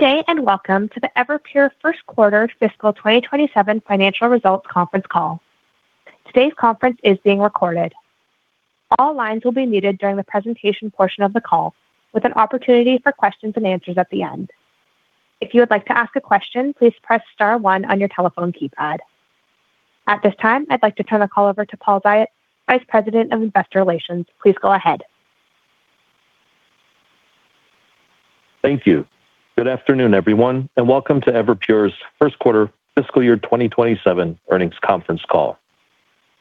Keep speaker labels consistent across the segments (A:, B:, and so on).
A: Good day, welcome to the Everpure first quarter fiscal 2027 financial results conference call. Today's conference is being recorded. All lines will be muted during the presentation portion of the call, with an opportunity for questions and answers at the end. If you would like to ask a question, please press star one on your telephone keypad. At this time, I'd like to turn the call over to Paul Ziots, Vice President of Investor Relations. Please go ahead.
B: Thank you. Good afternoon, everyone, and welcome to Everpure's first quarter fiscal year 2027 earnings conference call.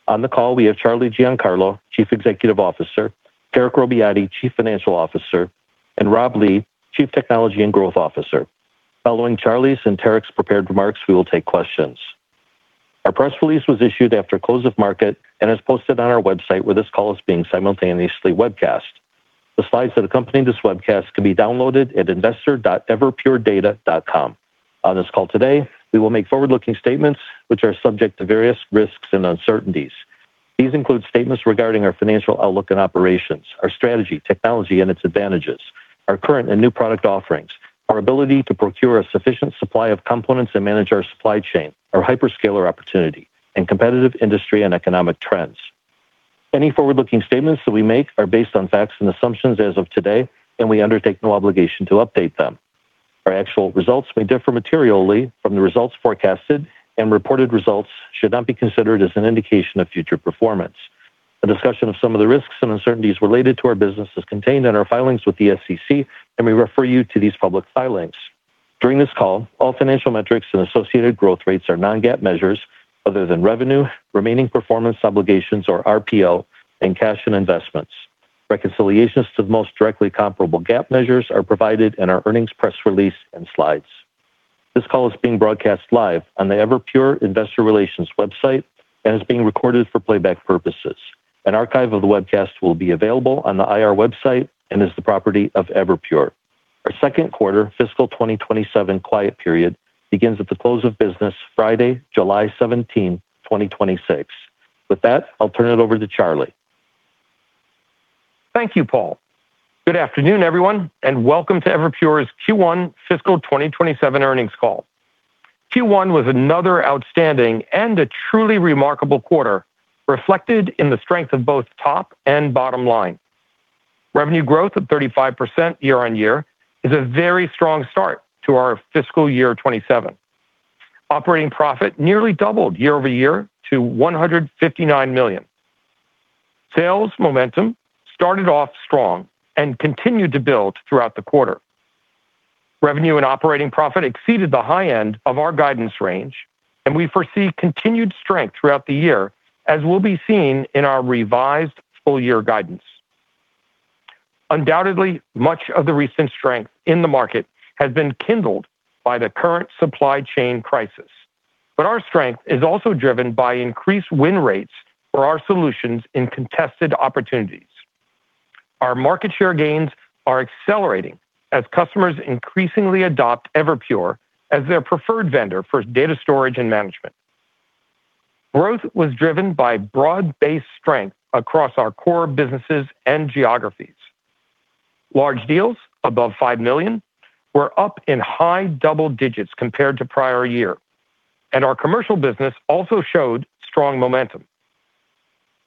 B: On the call, we have Charlie Giancarlo, Chief Executive Officer, Tarek Robbiati, Chief Financial Officer, and Rob Lee, Chief Technology and Growth Officer. Following Charlie's and Tarek's prepared remarks, we will take questions. Our press release was issued after close of market and is posted on our website where this call is being simultaneously webcast. The slides that accompany this webcast can be downloaded at investor.everpuredata.com. On this call today, we will make forward-looking statements, which are subject to various risks and uncertainties. These include statements regarding our financial outlook and operations, our strategy, technology, and its advantages, our current and new product offerings, our ability to procure a sufficient supply of components and manage our supply chain, our hyperscaler opportunity, and competitive industry and economic trends. Any forward-looking statements that we make are based on facts and assumptions as of today, we undertake no obligation to update them. Our actual results may differ materially from the results forecasted, reported results should not be considered as an indication of future performance. A discussion of some of the risks and uncertainties related to our business is contained in our filings with the SEC, we refer you to these public filings. During this call, all financial metrics and associated growth rates are non-GAAP measures other than revenue, remaining performance obligations, or RPO, cash and investments. Reconciliations to the most directly comparable GAAP measures are provided in our earnings press release and slides. This call is being broadcast live on the Everpure investor relations website is being recorded for playback purposes. An archive of the webcast will be available on the IR website and is the property of Everpure. Our second quarter fiscal 2027 quiet period begins at the close of business Friday, July 17, 2026. With that, I'll turn it over to Charlie.
C: Thank you, Paul. Good afternoon, everyone, and welcome to Everpure's Q1 fiscal 2027 earnings call. Q1 was another outstanding and a truly remarkable quarter, reflected in the strength of both top and bottom line. Revenue growth of 35% year-over-year is a very strong start to our fiscal year 2027. Operating profit nearly doubled year-over-year to $159 million. Sales momentum started off strong and continued to build throughout the quarter. Revenue and operating profit exceeded the high end of our guidance range, and we foresee continued strength throughout the year as will be seen in our revised full-year guidance. Undoubtedly, much of the recent strength in the market has been kindled by the current supply chain crisis, but our strength is also driven by increased win rates for our solutions in contested opportunities. Our market share gains are accelerating as customers increasingly adopt Everpure as their preferred vendor for data storage and management. Growth was driven by broad-based strength across our core businesses and geographies. Large deals above $5 million were up in high double digits compared to prior year, and our commercial business also showed strong momentum.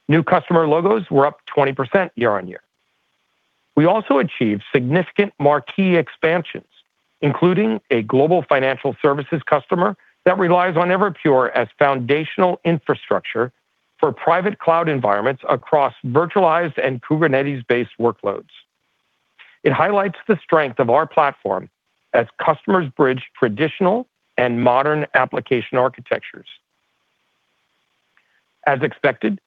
C: New customer logos were up 20% year-on-year. We also achieved significant marquee expansions, including a global financial services customer that relies on Everpure as foundational infrastructure for private cloud environments across virtualized and Kubernetes-based workloads. It highlights the strength of our platform as customers bridge traditional and modern application architectures. As expected,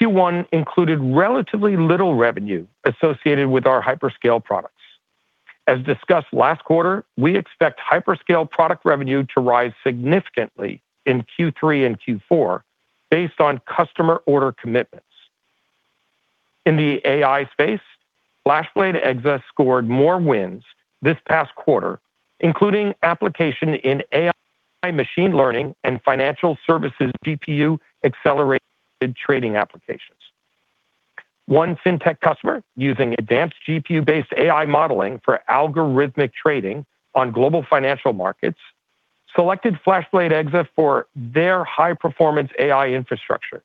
C: Q1 included relatively little revenue associated with our hyperscale products. As discussed last quarter, we expect hyperscale product revenue to rise significantly in Q3 and Q4 based on customer order commitments. In the AI space, FlashBlade//EXA scored more wins this past quarter, including application in AI machine learning and financial services GPU-accelerated trading applications. One fintech customer using advanced GPU-based AI modeling for algorithmic trading on global financial markets selected FlashBlade//EXA for their high-performance AI infrastructure.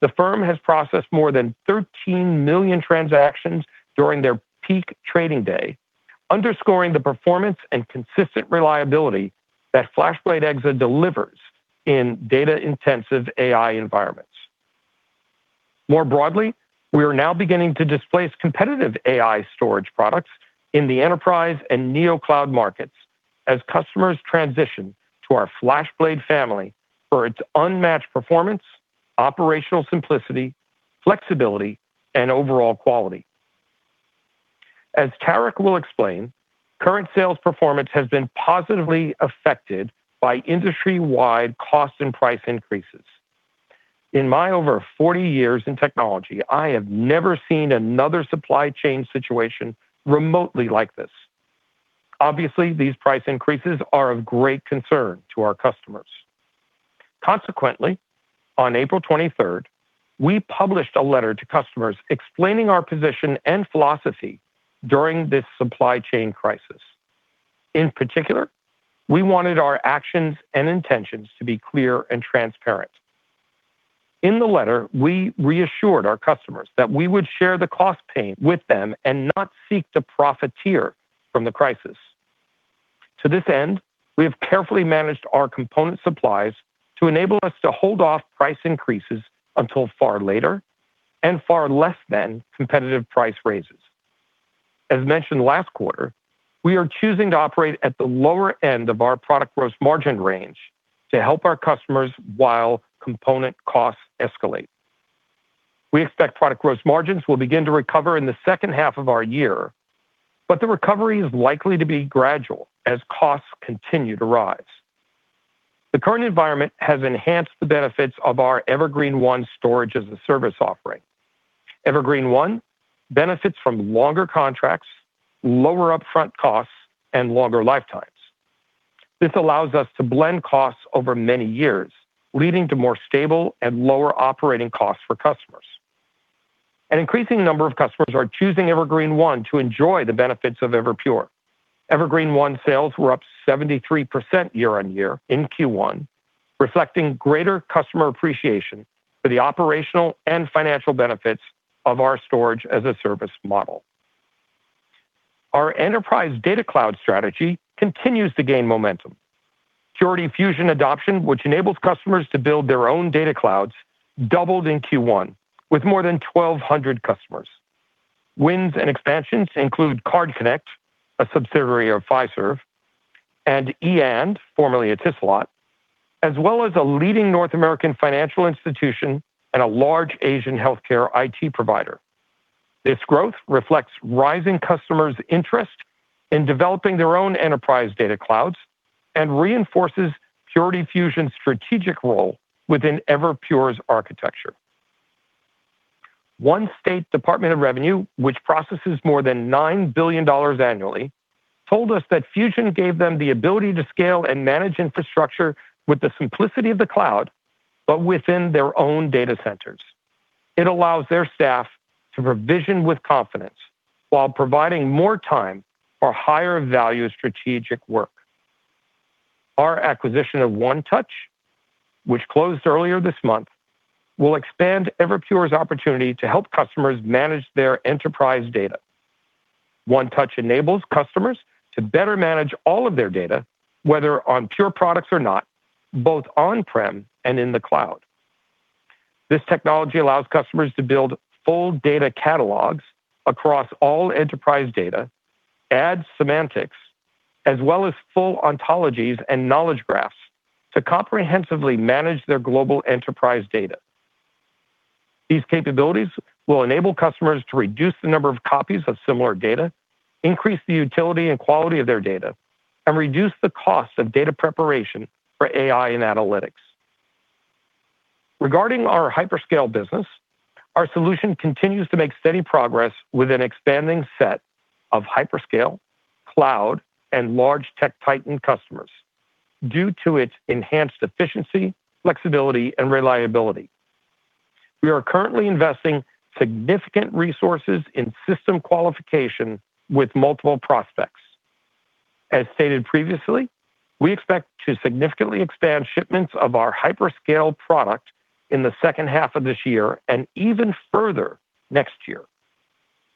C: The firm has processed more than 13 million transactions during their peak trading day, underscoring the performance and consistent reliability that FlashBlade//EXA delivers in data-intensive AI environments. More broadly, we are now beginning to displace competitive AI storage products in the enterprise and neo cloud markets as customers transition to our FlashBlade family for its unmatched performance, operational simplicity, flexibility, and overall quality. As Tarek will explain, current sales performance has been positively affected by industry-wide cost and price increases. In my over 40 years in technology, I have never seen another supply chain situation remotely like this. Obviously, these price increases are of great concern to our customers. Consequently, on April 23rd, we published a letter to customers explaining our position and philosophy during this supply chain crisis. In particular, we wanted our actions and intentions to be clear and transparent. In the letter, we reassured our customers that we would share the cost pain with them and not seek to profiteer from the crisis. To this end, we have carefully managed our component supplies to enable us to hold off price increases until far later, and far less than competitive price raises. As mentioned last quarter, we are choosing to operate at the lower end of our product gross margin range to help our customers while component costs escalate. We expect product gross margins will begin to recover in the second half of our year, but the recovery is likely to be gradual as costs continue to rise. The current environment has enhanced the benefits of our Evergreen//One storage-as-a-service offering. Evergreen//One benefits from longer contracts, lower upfront costs, and longer lifetimes. This allows us to blend costs over many years, leading to more stable and lower operating costs for customers. An increasing number of customers are choosing Evergreen//One to enjoy the benefits of Everpure. Evergreen//One sales were up 73% year-on-year in Q1, reflecting greater customer appreciation for the operational and financial benefits of our storage-as-a-service model. Our enterprise data cloud strategy continues to gain momentum. Purity Fusion adoption, which enables customers to build their own data clouds, doubled in Q1, with more than 1,200 customers. Wins and expansions include CardConnect, a subsidiary of Fiserv, and e&, formerly Etisalat, as well as a leading North American financial institution and a large Asian healthcare IT provider. This growth reflects rising customers' interest in developing their own enterprise data clouds and reinforces Purity Fusion's strategic role within Everpure's architecture. One state department of revenue, which processes more than $9 billion annually, told us that Fusion gave them the ability to scale and manage infrastructure with the simplicity of the cloud, but within their own data centers. It allows their staff to provision with confidence while providing more time for higher value strategic work. Our acquisition of 1touch, which closed earlier this month, will expand Everpure's opportunity to help customers manage their enterprise data. 1touch enables customers to better manage all of their data, whether on Pure products or not, both on-prem and in the cloud. This technology allows customers to build full data catalogs across all enterprise data, add semantics, as well as full ontologies and knowledge graphs, to comprehensively manage their global enterprise data. These capabilities will enable customers to reduce the number of copies of similar data, increase the utility and quality of their data, and reduce the cost of data preparation for AI and analytics. Regarding our hyperscale business, our solution continues to make steady progress with an expanding set of hyperscale, cloud, and large tech titan customers due to its enhanced efficiency, flexibility, and reliability. We are currently investing significant resources in system qualification with multiple prospects. As stated previously, we expect to significantly expand shipments of our hyperscale product in the second half of this year and even further next year.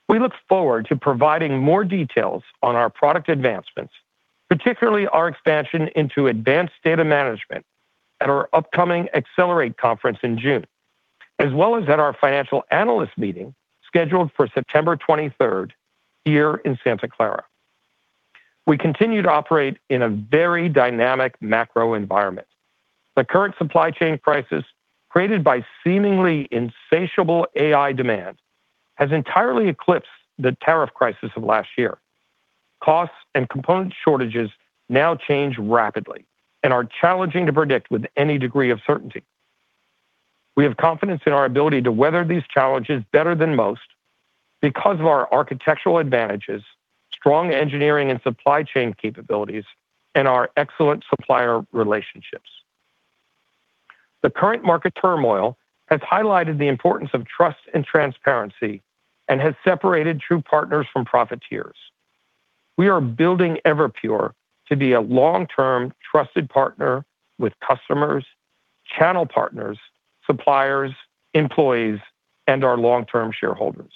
C: We look forward to providing more details on our product advancements, particularly our expansion into advanced data management at our upcoming Accelerate conference in June, as well as at our financial analyst meeting scheduled for September 23rd here in Santa Clara. We continue to operate in a very dynamic macro environment. The current supply chain crisis, created by seemingly insatiable AI demand, has entirely eclipsed the tariff crisis of last year. Costs and component shortages now change rapidly and are challenging to predict with any degree of certainty. We have confidence in our ability to weather these challenges better than most because of our architectural advantages, strong engineering and supply chain capabilities, and our excellent supplier relationships. The current market turmoil has highlighted the importance of trust and transparency and has separated true partners from profiteers. We are building Everpure to be a long-term trusted partner with customers, channel partners, suppliers, employees, and our long-term shareholders.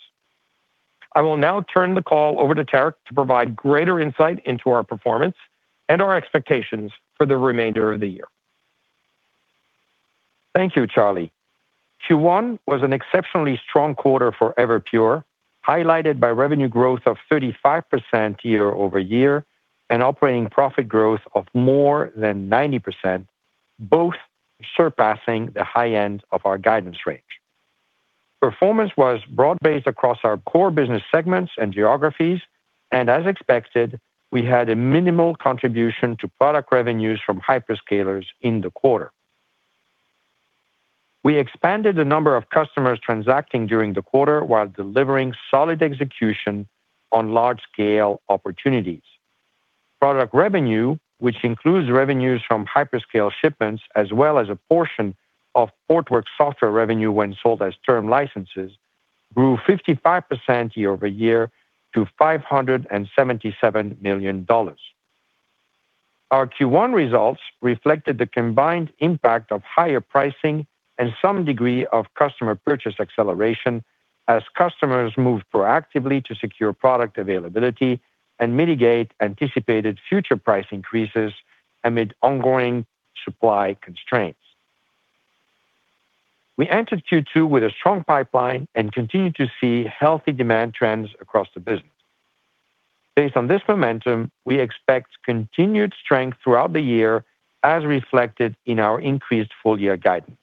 C: I will now turn the call over to Tarek to provide greater insight into our performance and our expectations for the remainder of the year.
D: Thank you, Charlie. Q1 was an exceptionally strong quarter for Everpure, highlighted by revenue growth of 35% year-over-year and operating profit growth of more than 90%, both surpassing the high end of our guidance range. Performance was broad-based across our core business segments and geographies, and as expected, we had a minimal contribution to product revenues from hyperscalers in the quarter. We expanded the number of customers transacting during the quarter while delivering solid execution on large-scale opportunities. Product revenue, which includes revenues from hyperscale shipments, as well as a portion of Portworx software revenue when sold as term licenses, grew 55% year-over-year to $577 million. Our Q1 results reflected the combined impact of higher pricing and some degree of customer purchase acceleration as customers moved proactively to secure product availability and mitigate anticipated future price increases amid ongoing supply constraints. We entered Q2 with a strong pipeline and continue to see healthy demand trends across the business. Based on this momentum, we expect continued strength throughout the year as reflected in our increased full year guidance.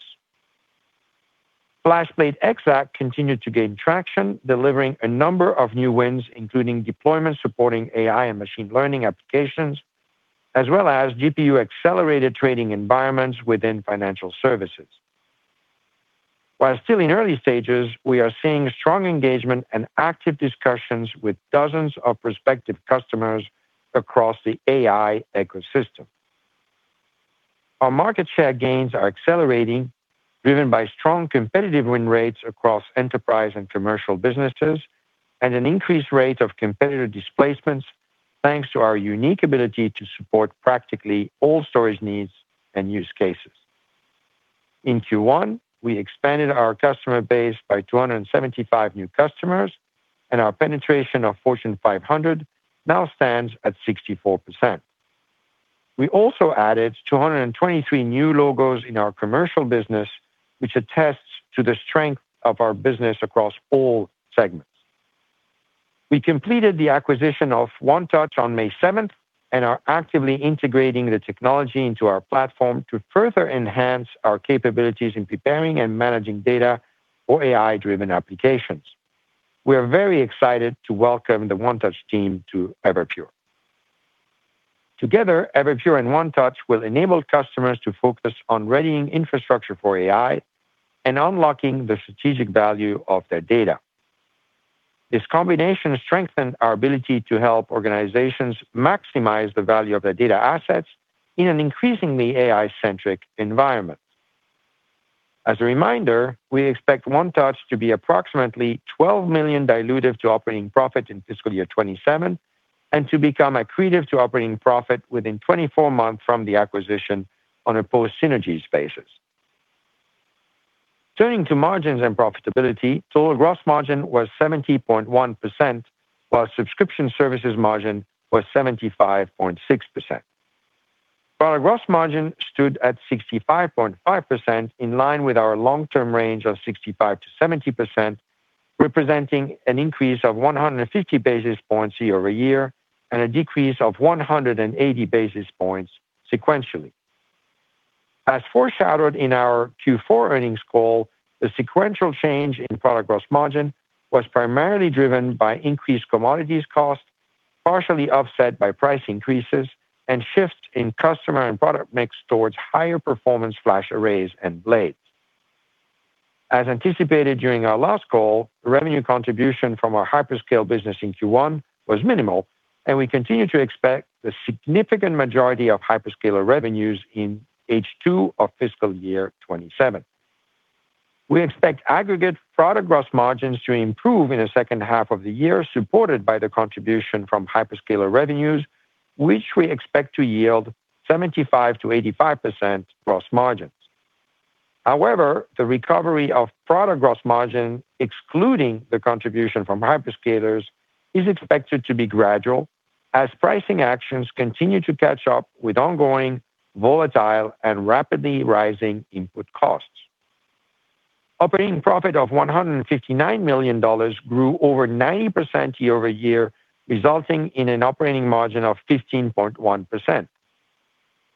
D: FlashBlade//EXA continued to gain traction, delivering a number of new wins, including deployments supporting AI and machine learning applications, as well as GPU-accelerated trading environments within financial services. While still in early stages, we are seeing strong engagement and active discussions with dozens of prospective customers across the AI ecosystem. Our market share gains are accelerating, driven by strong competitive win rates across enterprise and commercial businesses and an increased rate of competitor displacements, thanks to our unique ability to support practically all storage needs and use cases. In Q1, we expanded our customer base by 275 new customers, and our penetration of Fortune 500 now stands at 64%. We also added 223 new logos in our commercial business, which attests to the strength of our business across all segments. We completed the acquisition of 1touch on May 7th and are actively integrating the technology into our platform to further enhance our capabilities in preparing and managing data for AI-driven applications. We are very excited to welcome the 1touch team to Everpure. Together, Everpure and 1touch will enable customers to focus on readying infrastructure for AI and unlocking the strategic value of their data. This combination strengthened our ability to help organizations maximize the value of their data assets in an increasingly AI-centric environment. As a reminder, we expect 1touch to be approximately $12 million dilutive to operating profit in fiscal year 2027 and to become accretive to operating profit within 24 months from the acquisition on a post-synergies basis. Turning to margins and profitability, total gross margin was 70.1%, while subscription services margin was 75.6%. Product gross margin stood at 65.5%, in line with our long-term range of 65%-70%, representing an increase of 150 basis points year-over-year and a decrease of 180 basis points sequentially. As foreshadowed in our Q4 earnings call, the sequential change in product gross margin was primarily driven by increased commodities cost, partially offset by price increases and shifts in customer and product mix towards higher performance FlashArray and FlashBlade. As anticipated during our last call, the revenue contribution from our hyperscale business in Q1 was minimal, and we continue to expect the significant majority of hyperscaler revenues in H2 of fiscal year 2027. We expect aggregate product gross margins to improve in the second half of the year, supported by the contribution from hyperscaler revenues, which we expect to yield 75%-85% gross margins. However, the recovery of product gross margin, excluding the contribution from hyperscalers, is expected to be gradual as pricing actions continue to catch up with ongoing volatile and rapidly rising input costs. Operating profit of $159 million grew over 90% year-over-year, resulting in an operating margin of 15.1%.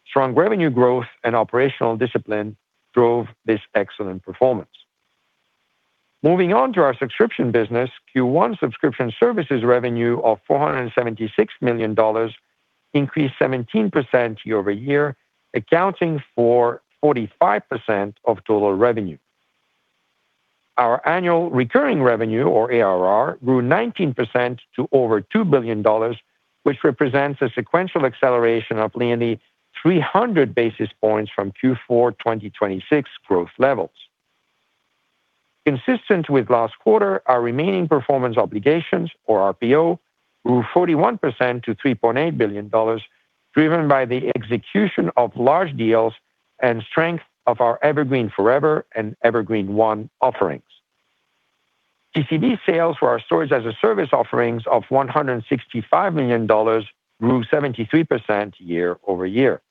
D: Strong revenue growth and operational discipline drove this excellent performance. Moving on to our subscription business, Q1 subscription services revenue of $476 million increased 17% year-over-year, accounting for 45% of total revenue. Our annual recurring revenue, or ARR, grew 19% to over $2 billion, which represents a sequential acceleration of nearly 300 basis points from Q4 2026 growth levels. Consistent with last quarter, our remaining performance obligations, or RPO, grew 41% to $3.8 billion, driven by the execution of large deals and strength of our Evergreen//Forever and Evergreen//One offerings. TCV sales for our storage-as-a-service offerings of $165 million grew 73% year-over-year.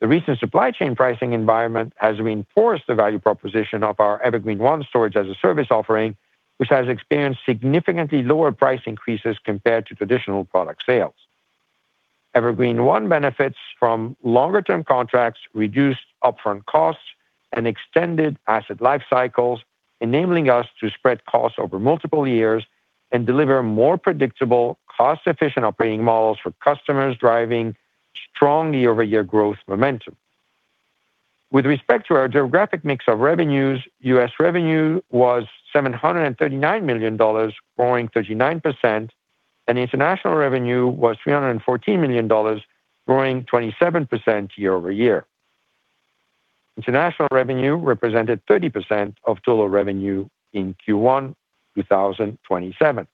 D: The recent supply chain pricing environment has reinforced the value proposition of our Evergreen//One storage-as-a-service offering, which has experienced significantly lower price increases compared to traditional product sales. Evergreen//One benefits from longer-term contracts, reduced upfront costs, and extended asset life cycles, enabling us to spread costs over multiple years and deliver more predictable, cost-efficient operating models for customers driving strong year-over-year growth momentum. With respect to our geographic mix of revenues, U.S. revenue was $739 million, growing 39%. International revenue was $314 million, growing 27% year-over-year. International revenue represented 30% of total revenue in Q1 2027.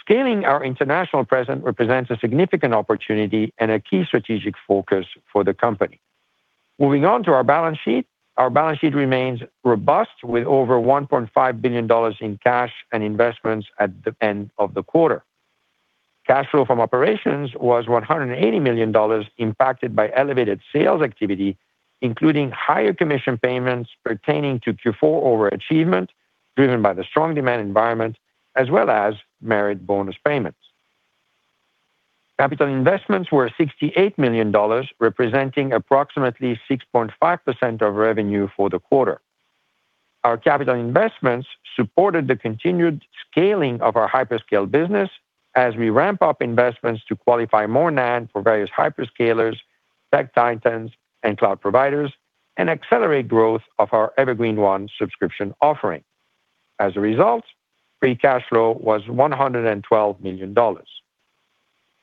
D: Scaling our international presence represents a significant opportunity and a key strategic focus for the company. Moving on to our balance sheet. Our balance sheet remains robust with over $1.5 billion in cash and investments at the end of the quarter. Cash flow from operations was $180 million impacted by elevated sales activity, including higher commission payments pertaining to Q4 over-achievement driven by the strong demand environment, as well as merit bonus payments. Capital investments were $68 million, representing approximately 6.5% of revenue for the quarter. Our capital investments supported the continued scaling of our hyperscale business as we ramp up investments to qualify more NAND for various hyperscalers, tech titans, and cloud providers, and accelerate growth of our Evergreen//One subscription offering. As a result, free cash flow was $112 million.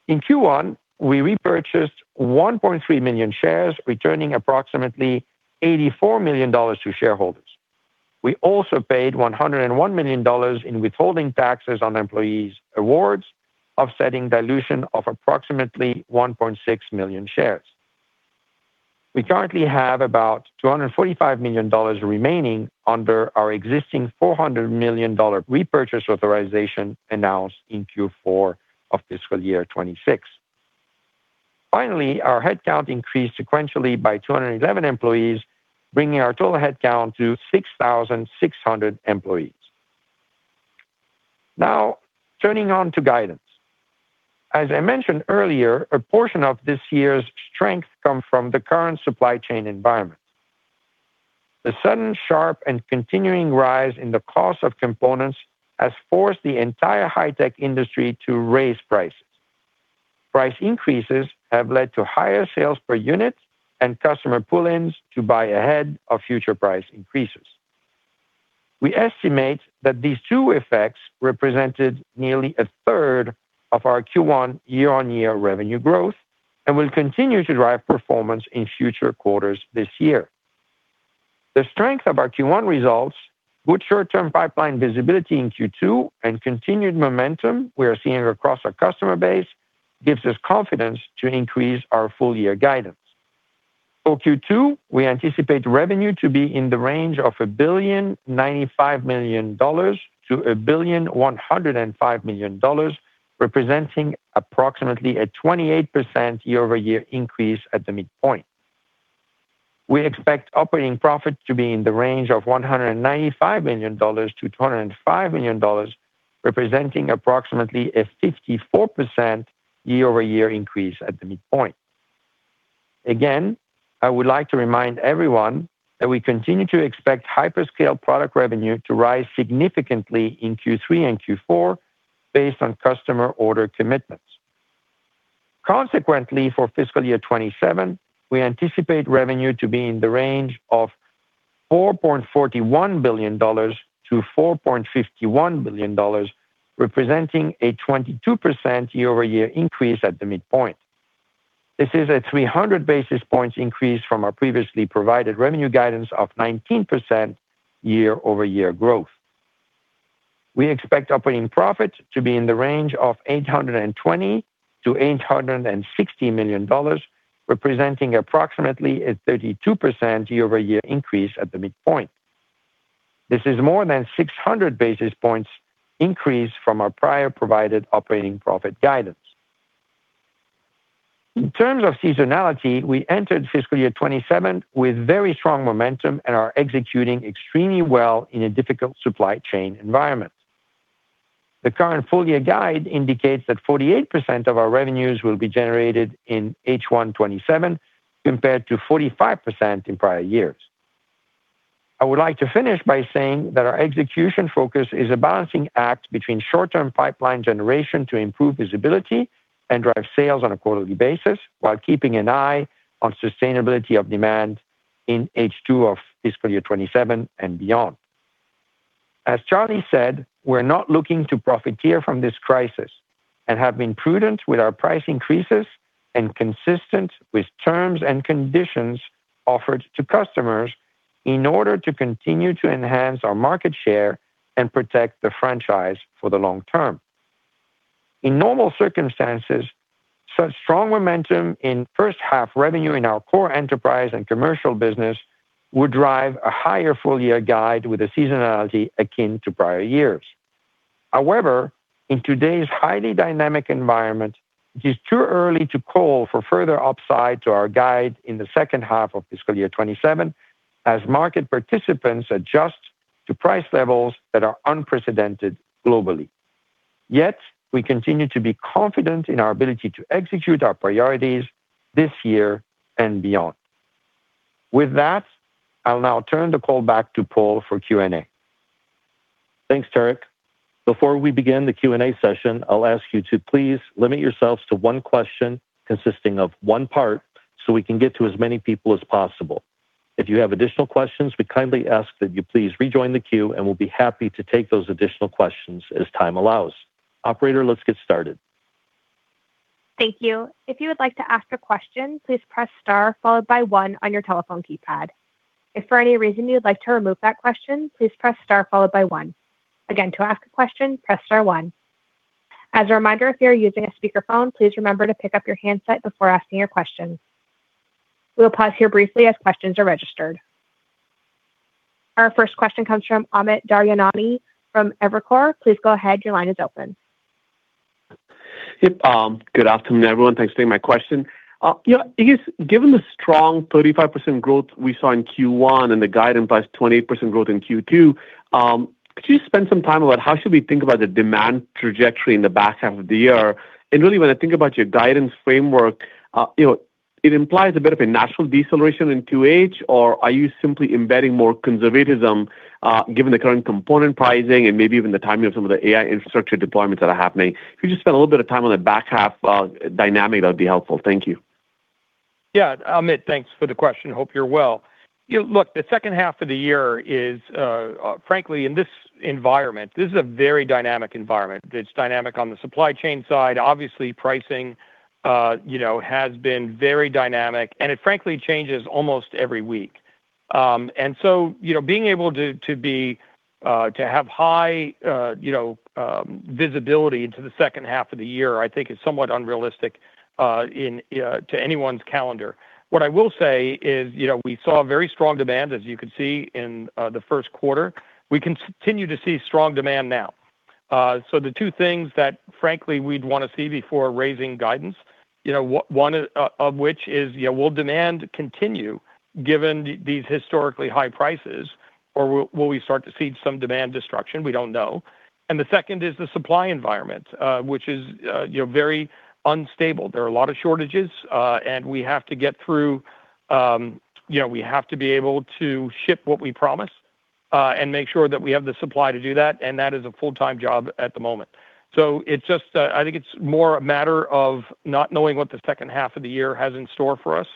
D: In Q1, we repurchased 1.3 million shares, returning approximately $84 million to shareholders. We also paid $101 million in withholding taxes on employees' awards, offsetting dilution of approximately 1.6 million shares. We currently have about $245 million remaining under our existing $400 million repurchase authorization announced in Q4 of fiscal year 2026. Finally, our headcount increased sequentially by 211 employees, bringing our total headcount to 6,600 employees. Turning on to guidance. As I mentioned earlier, a portion of this year's strength come from the current supply chain environment. The sudden sharp and continuing rise in the cost of components has forced the entire high-tech industry to raise prices. Price increases have led to higher sales per unit and customer pull-ins to buy ahead of future price increases. We estimate that these two effects represented nearly a third of our Q1 year-on-year revenue growth and will continue to drive performance in future quarters this year. The strength of our Q1 results, good short-term pipeline visibility in Q2, and continued momentum we are seeing across our customer base gives us confidence to increase our full-year guidance. For Q2, we anticipate revenue to be in the range of $1.095 billion-$1.105 billion, representing approximately a 28% year-over-year increase at the midpoint. We expect operating profit to be in the range of $195 million-$205 million, representing approximately a 54% year-over-year increase at the midpoint. Again, I would like to remind everyone that we continue to expect hyperscale product revenue to rise significantly in Q3 and Q4 based on customer order commitments. Consequently, for fiscal year 2027, we anticipate revenue to be in the range of $4.41 billion-$4.51 billion, representing a 22% year-over-year increase at the midpoint. This is a 300-basis points increase from our previously provided revenue guidance of 19% year-over-year growth. We expect operating profit to be in the range of $820 million-$860 million, representing approximately a 32% year-over-year increase at the midpoint. This is more than 600 basis points increase from our prior provided operating profit guidance. In terms of seasonality, we entered fiscal year 2027 with very strong momentum and are executing extremely well in a difficult supply chain environment. The current full-year guide indicates that 48% of our revenues will be generated in H1 2027, compared to 45% in prior years. I would like to finish by saying that our execution focus is a balancing act between short-term pipeline generation to improve visibility and drive sales on a quarterly basis while keeping an eye on sustainability of demand in H2 of fiscal year 2027 and beyond. As Charlie said, we're not looking to profiteer from this crisis and have been prudent with our price increases and consistent with terms and conditions offered to customers in order to continue to enhance our market share and protect the franchise for the long term. In normal circumstances, such strong momentum in first half revenue in our core enterprise and commercial business would drive a higher full-year guide with a seasonality akin to prior years. In today's highly dynamic environment, it is too early to call for further upside to our guide in the second half of fiscal year 2027 as market participants adjust to price levels that are unprecedented globally. We continue to be confident in our ability to execute our priorities this year and beyond. With that, I'll now turn the call back to Paul for Q&A.
B: Thanks, Tarek. Before we begin the Q&A session, I will ask you to please limit yourselves to one question consisting of one part, so we can get to as many people as possible. If you have additional questions, we kindly ask that you please rejoin the queue, and we will be happy to take those additional questions as time allows. Operator, let's get started.
A: Thank you. If you would like to ask a question please press star followed by one on your telephone keypad. If for any reason you would like to remove a question, press star followed by one. Again to ask a question, press star one. As a reminder if you are using a speaker phone remember to pick up your headset before asking a question. We will pause here briefly as question are registered. Our first question comes from Amit Daryanani from Evercore. Please go ahead. Your line is open.
E: Yep. Good afternoon, everyone. Thanks for taking my question. I guess, given the strong 35% growth we saw in Q1 and the guidance plus 28% growth in Q2, could you spend some time about how should we think about the demand trajectory in the back half of the year? Really, when I think about your guidance framework, it implies a bit of a natural deceleration in 2H, or are you simply embedding more conservatism given the current component pricing and maybe even the timing of some of the AI infrastructure deployments that are happening? If you just spend a little bit of time on the back half dynamic, that would be helpful. Thank you.
C: Amit, thanks for the question. Hope you're well. Look, the second half of the year is, frankly, in this environment, this is a very dynamic environment. It's dynamic on the supply chain side. Obviously, pricing has been very dynamic, and it frankly changes almost every week. Being able to have high visibility into the second half of the year, I think, is somewhat unrealistic to anyone's calendar. What I will say is we saw very strong demand, as you can see in the first quarter. We continue to see strong demand now. The two things that frankly we'd want to see before raising guidance, one of which is will demand continue given these historically high prices, or will we start to see some demand destruction? We don't know. The second is the supply environment, which is very unstable. There are a lot of shortages, and we have to be able to ship what we promise and make sure that we have the supply to do that, and that is a full-time job at the moment. I think it's more a matter of not knowing what the second half of the year has in store for us,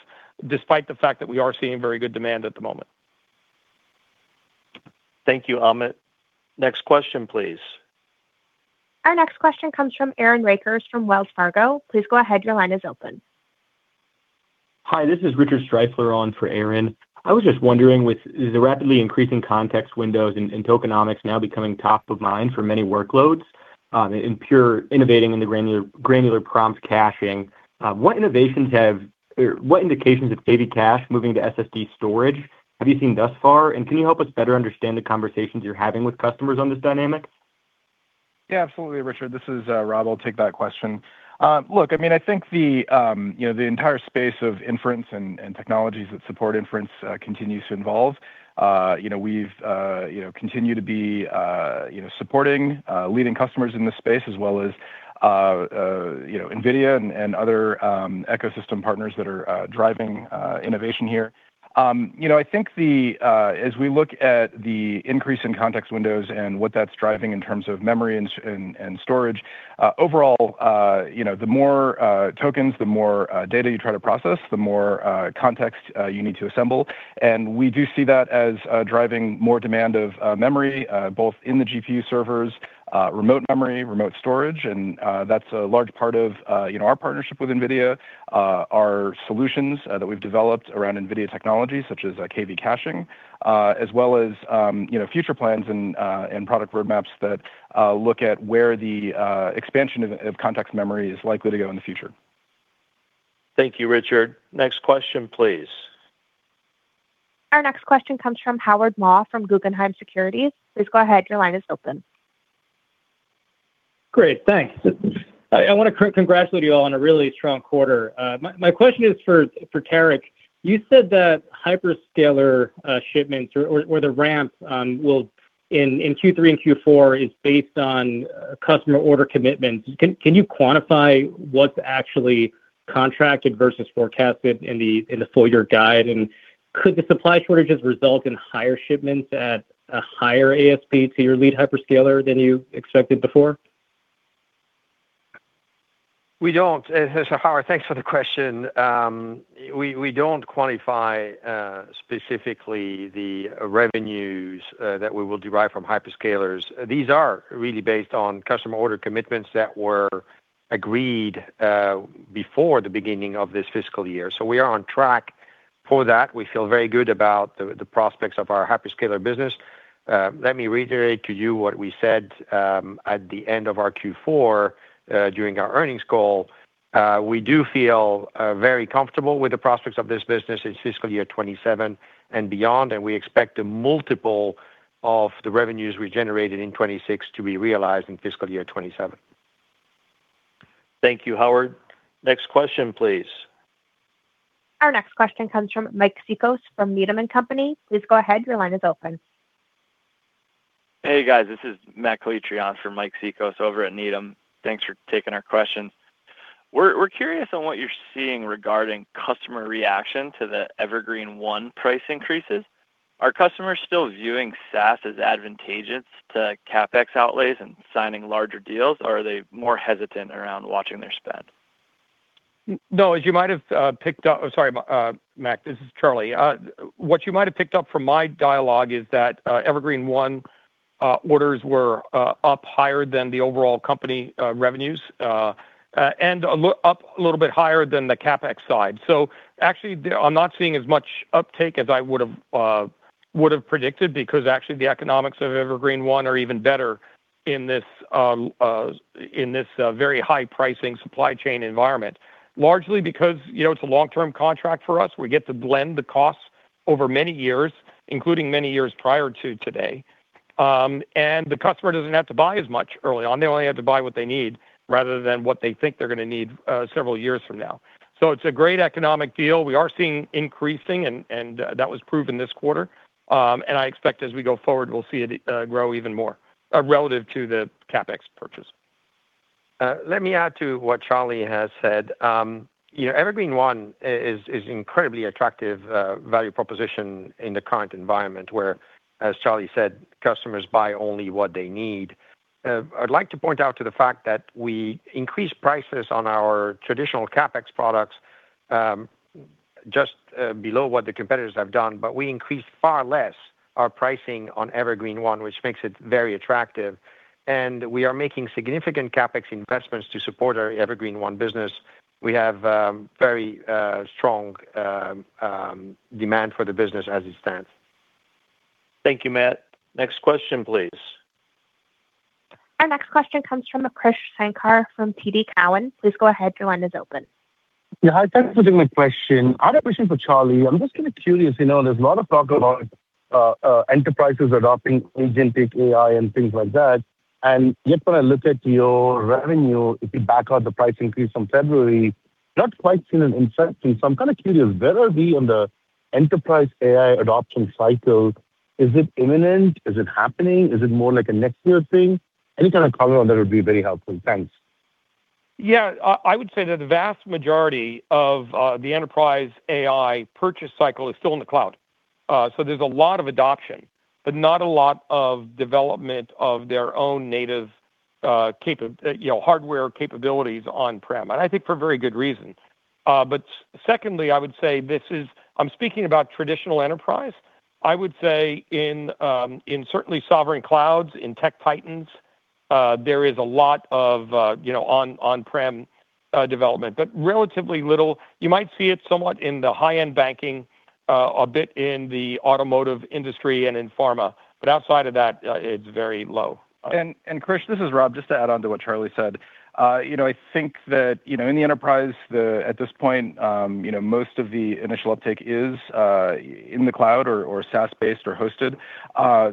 C: despite the fact that we are seeing very good demand at the moment.
B: Thank you, Amit. Next question, please.
A: Our next question comes from Aaron Rakers from Wells Fargo. Please go ahead. Your line is open.
F: Hi, this is Richard Strifeler on for Aaron. I was just wondering, with the rapidly increasing context windows and tokenomics now becoming top of mind for many workloads and Everpure innovating in the granular prompt caching, what indications of KV cache moving to SSD storage have you seen thus far? Can you help us better understand the conversations you're having with customers on this dynamic?
G: Yeah, absolutely, Richard. This is Rob. I'll take that question. Look, I think the entire space of inference and technologies that support inference continues to evolve. We continue to be supporting leading customers in this space as well as NVIDIA and other ecosystem partners that are driving innovation here. I think as we look at the increase in context windows and what that's driving in terms of memory and storage, overall, the more tokens, the more data you try to process, the more context you need to assemble. We do see that as driving more demand of memory, both in the GPU servers, remote memory, remote storage, and that's a large part of our partnership with NVIDIA, our solutions that we've developed around NVIDIA technology such as KV caching, as well as future plans and product roadmaps that look at where the expansion of context memory is likely to go in the future.
B: Thank you, Richard. Next question, please.
A: Our next question comes from Howard Ma from Guggenheim Securities. Please go ahead. Your line is open.
H: Great. Thanks. I want to congratulate you all on a really strong quarter. My question is for Tarek. You said that hyperscaler shipments or the ramp in Q3 and Q4 is based on customer order commitments. Can you quantify what's actually contracted versus forecasted in the full-year guide, and could the supply shortages result in higher shipments at a higher ASP to your lead hyperscaler than you expected before?
D: We don't. Howard, thanks for the question. We don't quantify specifically the revenues that we will derive from hyperscalers. These are really based on customer order commitments that were agreed before the beginning of this fiscal year. We are on track for that. We feel very good about the prospects of our hyperscaler business. Let me reiterate to you what we said at the end of our Q4 during our earnings call. We do feel very comfortable with the prospects of this business in fiscal year 2027 and beyond, and we expect a multiple of the revenues we generated in 2026 to be realized in fiscal year 2027.
B: Thank you, Howard. Next question, please.
A: Our next question comes from Mike Cikos from Needham & Company. Please go ahead. Your line is open.
I: Hey, guys. This is [Matt Calitri] for Mike Cikos over at Needham. Thanks for taking our question. We're curious on what you're seeing regarding customer reaction to the Evergreen//One price increases. Are customers still viewing SaaS as advantageous to CapEx outlays and signing larger deals, or are they more hesitant around watching their spend?
C: No, as you might have picked up. Sorry, Matt. This is Charlie. What you might have picked up from my dialogue is that Evergreen//One orders were up higher than the overall company revenues, up a little bit higher than the CapEx side. Actually, I'm not seeing as much uptake as I would have predicted because actually the economics of Evergreen//One are even better in this very high pricing supply chain environment. Largely because it's a long-term contract for us, we get to blend the costs over many years, including many years prior to today. The customer doesn't have to buy as much early on. They only have to buy what they need rather than what they think they're going to need several years from now. It's a great economic deal. We are seeing increasing, that was proven this quarter. I expect as we go forward, we'll see it grow even more, relative to the CapEx purchase.
D: Let me add to what Charlie has said. Evergreen//One is incredibly attractive value proposition in the current environment where, as Charlie said, customers buy only what they need. I'd like to point out to the fact that we increased prices on our traditional CapEx products, just below what the competitors have done, but we increased far less our pricing on Evergreen//One, which makes it very attractive. We are making significant CapEx investments to support our Evergreen//One business. We have very strong demand for the business as it stands.
B: Thank you, Matt. Next question, please.
A: Our next question comes from Krish Sankar from TD Cowen. Please go ahead. Your line is open.
J: Yeah. Hi, thanks for taking my question. I have a question for Charlie. I'm just going to be curious, there's a lot of talk about enterprises adopting agentic AI and things like that, and yet when I look at your revenue, if you back out the price increase from February, not quite seen an inflection. I'm kind of curious, where are we on the enterprise AI adoption cycle? Is it imminent? Is it happening? Is it more like a next year thing? Any kind of comment on that would be very helpful. Thanks.
C: I would say that the vast majority of the enterprise AI purchase cycle is still in the cloud. There's a lot of adoption, but not a lot of development of their own native hardware capabilities on-prem, and I think for very good reason. Secondly, I would say, I'm speaking about traditional enterprise, I would say in certainly sovereign clouds, in tech titans, there is a lot of on-prem development. Relatively little, you might see it somewhat in the high-end banking, a bit in the automotive industry and in pharma. Outside of that, it's very low.
G: Krish, this is Rob, just to add on to what Charlie said. I think that in the enterprise at this point, most of the initial uptake is in the cloud or SaaS-based or hosted.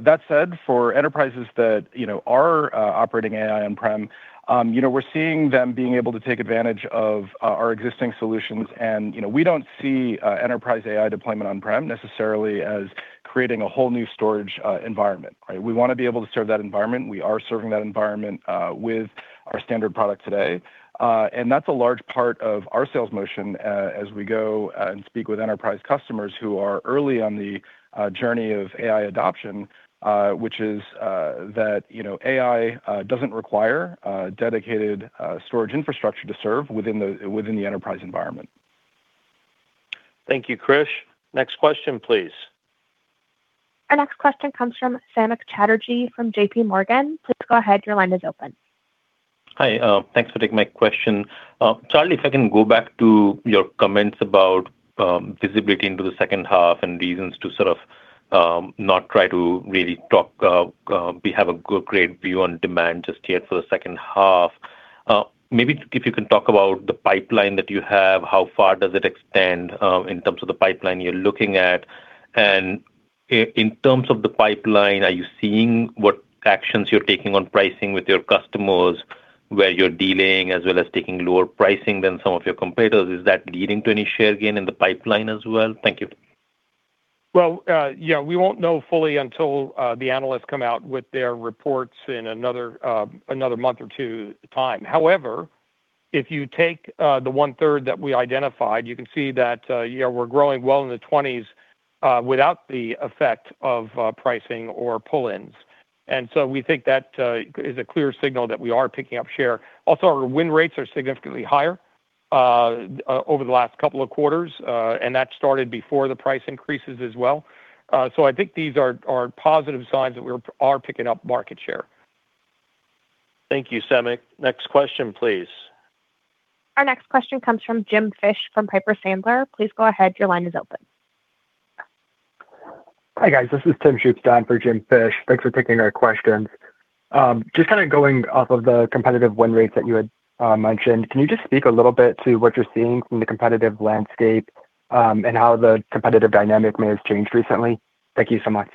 G: That said, for enterprises that are operating AI on-prem, we're seeing them being able to take advantage of our existing solutions and we don't see enterprise AI deployment on-prem necessarily as creating a whole new storage environment, right? We want to be able to serve that environment. We are serving that environment with our standard product today. That's a large part of our sales motion as we go and speak with enterprise customers who are early on the journey of AI adoption, which is that AI doesn't require dedicated storage infrastructure to serve within the enterprise environment.
B: Thank you, Krish. Next question, please.
A: Our next question comes from Samik Chatterjee from JPMorgan. Please go ahead, your line is open.
K: Hi, thanks for taking my question. Charlie, if I can go back to your comments about visibility into the second half and reasons to sort of, not try to really talk, have a great view on demand just yet for the second half. Maybe if you can talk about the pipeline that you have, how far does it extend in terms of the pipeline you're looking at? In terms of the pipeline, are you seeing what actions you're taking on pricing with your customers, where you're dealing as well as taking lower pricing than some of your competitors? Is that leading to any share gain in the pipeline as well? Thank you.
C: Well, yeah, we won't know fully until the analysts come out with their reports in another month or two time. However, if you take the one third that we identified, you can see that, yeah, we're growing well in the 20s without the effect of pricing or pull-ins. We think that is a clear signal that we are picking up share. Also, our win rates are significantly higher over the last couple of quarters. That started before the price increases as well. I think these are positive signs that we are picking up market share.
B: Thank you, Samik. Next question, please.
A: Our next question comes from James Fish from Piper Sandler. Please go ahead. Your line is open.
L: Hi, guys. This is Tim Shoop, down for James Fish. Thanks for taking our questions. Just kind of going off of the competitive win rates that you had mentioned, can you just speak a little bit to what you're seeing from the competitive landscape, and how the competitive dynamic may have changed recently? Thank you so much.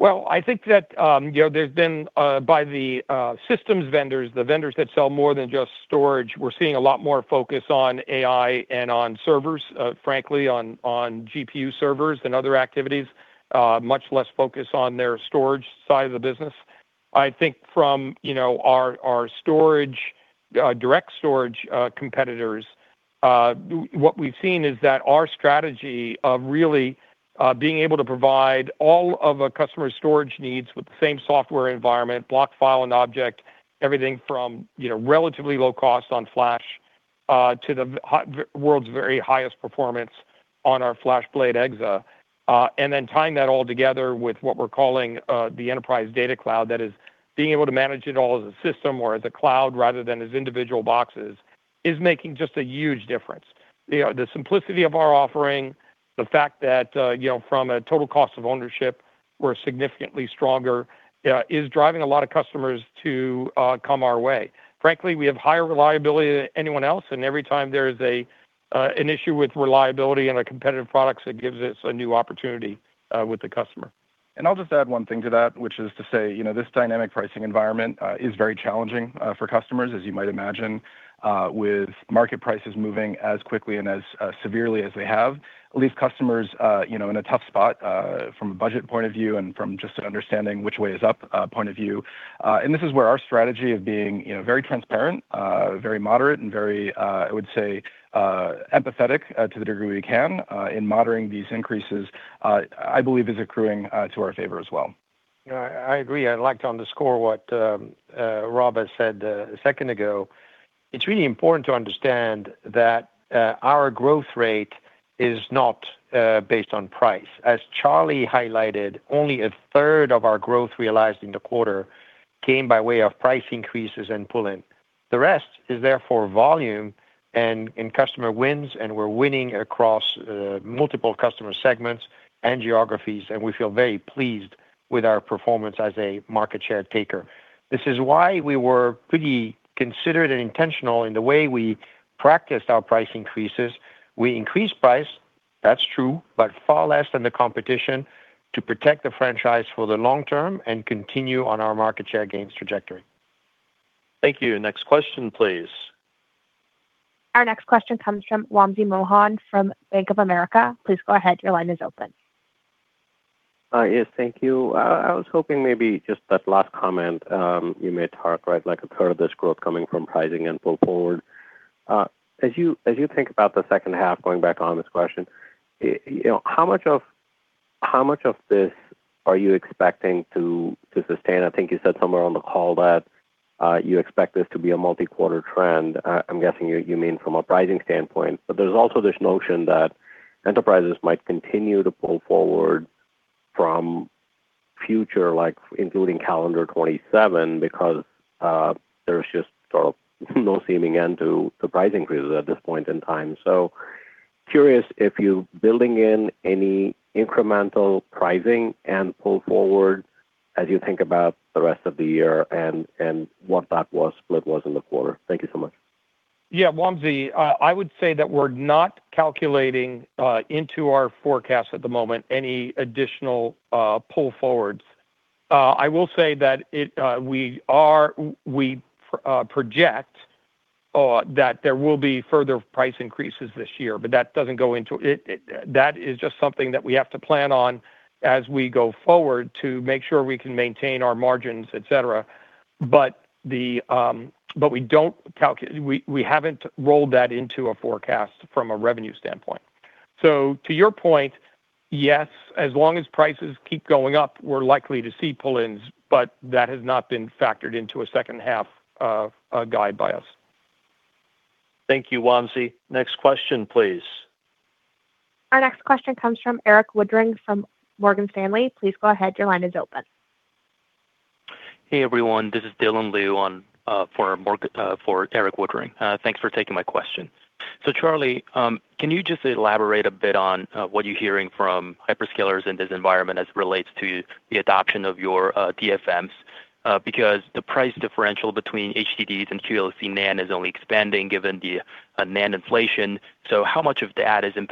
C: I think that there's been, by the systems vendors, the vendors that sell more than just storage, we're seeing a lot more focus on AI and on servers, frankly, on GPU servers than other activities. Much less focus on their storage side of the business. I think from our direct storage competitors, what we've seen is that our strategy of really being able to provide all of a customer's storage needs with the same software environment, block, file, and object, everything from relatively low cost on Flash to the world's very highest performance on our FlashBlade//EXA, and then tying that all together with what we're calling the enterprise data cloud. That is, being able to manage it all as a system or as a cloud rather than as individual boxes, is making just a huge difference. The simplicity of our offering, the fact that from a total cost of ownership, we're significantly stronger, is driving a lot of customers to come our way. Frankly, we have higher reliability than anyone else, and every time there is an issue with reliability in a competitive product, it gives us a new opportunity with the customer.
G: I'll just add one thing to that, which is to say, this dynamic pricing environment is very challenging for customers, as you might imagine, with market prices moving as quickly and as severely as they have. It leaves customers in a tough spot from a budget point of view and from just an understanding which way is up point of view. This is where our strategy of being very transparent, very moderate, and very, I would say, empathetic to the degree we can in monitoring these increases, I believe is accruing to our favor as well.
D: I agree. I'd like to underscore what Rob has said a second ago. It's really important to understand that our growth rate is not based on price. As Charlie highlighted, only a third of our growth realized in the quarter came by way of price increases and pull-in. The rest is therefore volume and in customer wins, and we're winning across multiple customer segments and geographies, and we feel very pleased with our performance as a market share taker. This is why we were pretty considered and intentional in the way we practiced our price increases. We increased price, that's true, but far less than the competition to protect the franchise for the long term and continue on our market share gains trajectory.
B: Thank you. Next question, please.
A: Our next question comes from Wamsi Mohan from Bank of America. Please go ahead. Your line is open.
M: Yes, thank you. I was hoping maybe just that last comment you made, Tarek, a third of this growth coming from pricing and pull forward. As you think about the second half going back on this question, how much of this are you expecting to sustain? I think you said somewhere on the call that you expect this to be a multi-quarter trend. I'm guessing you mean from a pricing standpoint, there's also this notion that enterprises might continue to pull forward from future, including calendar 2027, because there's just sort of no seeming end to the price increases at this point in time. Curious if you're building in any incremental pricing and pull forward as you think about the rest of the year and what that split was in the quarter. Thank you so much.
C: Yeah, Wamsi, I would say that we're not calculating into our forecast at the moment any additional pull forwards. I will say that we project that there will be further price increases this year. That is just something that we have to plan on as we go forward to make sure we can maintain our margins, et cetera, but we haven't rolled that into a forecast from a revenue standpoint. To your point, yes, as long as prices keep going up, we're likely to see pull-ins, but that has not been factored into a second half of a guide by us.
B: Thank you, Wamsi. Next question, please.
A: Our next question comes from Erik Woodring from Morgan Stanley. Please go ahead. Your line is open.
N: Hey, everyone. This is Dylan Liu for Erik Woodring. Thanks for taking my questions. Charlie, can you just elaborate a bit on what you're hearing from hyperscalers in this environment as it relates to the adoption of your DFMs? Because the price differential between HDDs and QLC NAND is only expanding given the NAND inflation. How much of an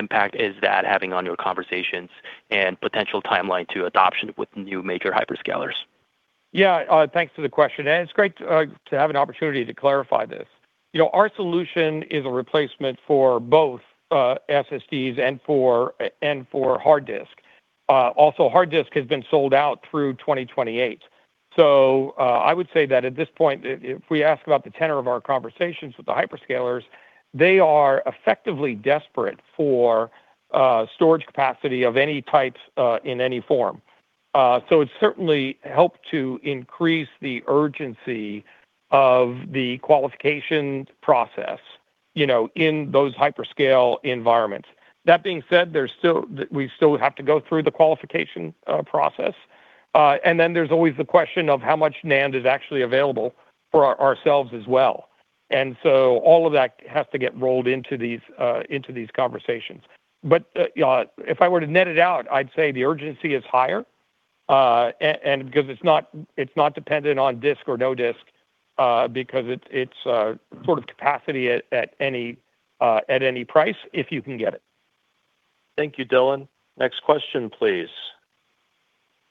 N: impact is that having on your conversations and potential timeline to adoption with new major hyperscalers?
C: Thanks for the question, and it's great to have an opportunity to clarify this. Our solution is a replacement for both SSDs and for hard disk. Also, hard disk has been sold out through 2028. I would say that at this point, if we ask about the tenor of our conversations with the hyperscalers, they are effectively desperate for storage capacity of any type in any form. It's certainly helped to increase the urgency of the qualification process in those hyperscale environments. That being said, we still have to go through the qualification process, and then there's always the question of how much NAND is actually available for ourselves as well. All of that has to get rolled into these conversations. If I were to net it out, I'd say the urgency is higher, and because it's not dependent on disk or no disk, because it's sort of capacity at any price if you can get it.
B: Thank you, Dylan. Next question, please.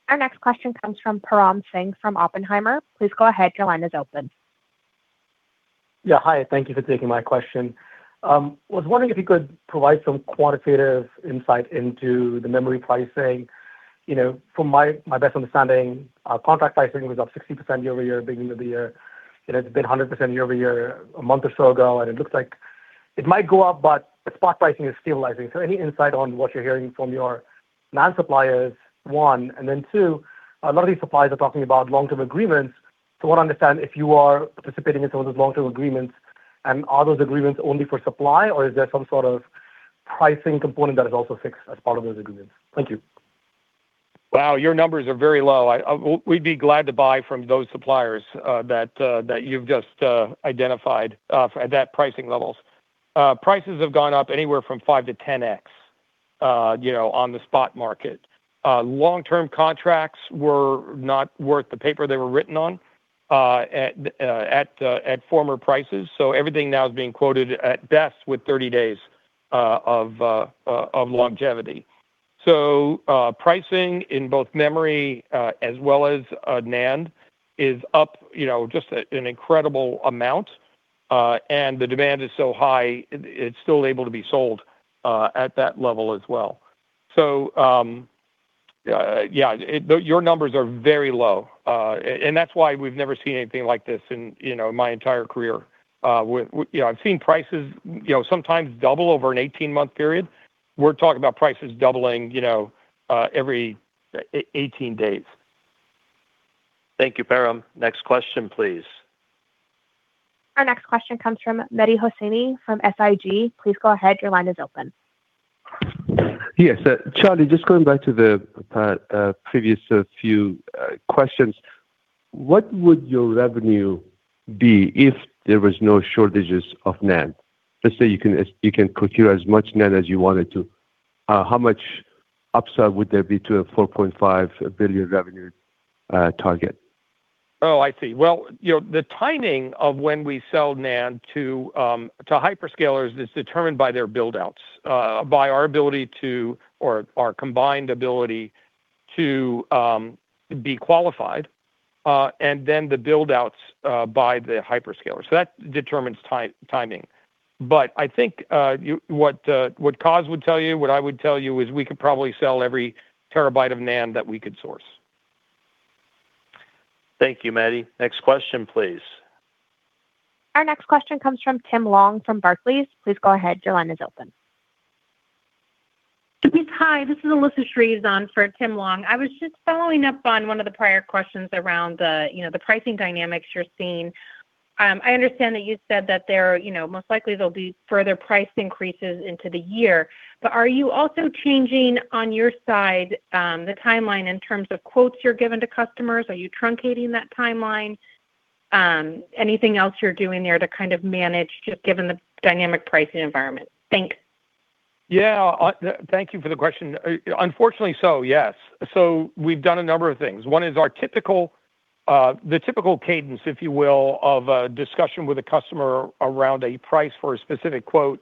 A: Our next question comes from Param Singh from Oppenheimer. Please go ahead. Your line is open.
O: Yeah. Hi, thank you for taking my question. I was wondering if you could provide some quantitative insight into the memory pricing. From my best understanding, contract pricing was up 60% year-over-year, beginning of the year. It had been 100% year-over-year a month or so ago, and it looks like it might go up, but the spot pricing is stabilizing. Any insight on what you're hearing from your NAND suppliers, one. Two, a lot of these suppliers are talking about long-term agreements. I want to understand if you are participating in some of those long-term agreements, and are those agreements only for supply, or is there some sort of pricing component that is also fixed as part of those agreements? Thank you.
C: Wow, your numbers are very low. We'd be glad to buy from those suppliers that you've just identified at that pricing levels. Prices have gone up anywhere from 5x-10x on the spot market. Long-term contracts were not worth the paper they were written on at former prices. Everything now is being quoted at best with 30 days of longevity. Pricing in both memory as well as NAND is up just an incredible amount. The demand is so high, it's still able to be sold at that level as well. Yeah, your numbers are very low. That's why we've never seen anything like this in my entire career. I've seen prices sometimes double over an 18-month period. We're talking about prices doubling every 18 days.
B: Thank you, Param. Next question, please.
A: Our next question comes from Mehdi Hosseini from SIG. Please go ahead, your line is open.
P: Yes. Charlie, just going back to the previous few questions. What would your revenue be if there was no shortages of NAND? Let's say you can procure as much NAND as you wanted to. How much upside would there be to a $4.5 billion revenue target?
C: Oh, I see. The timing of when we sell NAND to hyperscalers is determined by their build-outs, by our ability to, or our combined ability to be qualified, and then the build-outs by the hyperscalers. That determines timing. I think what Kaz would tell you, what I would tell you is we could probably sell every terabyte of NAND that we could source.
B: Thank you, Mehdi. Next question, please.
A: Our next question comes from Tim Long from Barclays. Please go ahead, your line is open.
Q: Hi, this is Alyssa Shreves for Tim Long. I was just following up on one of the prior questions around the pricing dynamics you're seeing. I understand that you said that most likely there'll be further price increases into the year. Are you also changing on your side, the timeline in terms of quotes you're giving to customers? Are you truncating that timeline? Anything else you're doing there to kind of manage, just given the dynamic pricing environment? Thanks.
C: Thank you for the question. Unfortunately so, yes. We've done a number of things. One is the typical cadence, if you will, of a discussion with a customer around a price for a specific quote